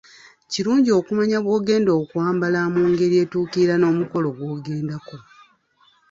Kirungi okumanya bw'ogenda okwambala mu ngeri etuukira n'omukolo gw'ogendako.